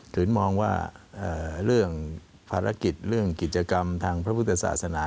ถึงมองว่าเรื่องภารกิจเรื่องกิจกรรมทางพระพุทธศาสนา